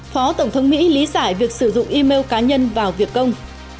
phó tổng thống mỹ lý giải việc sử dụng email cá nhân vào việc công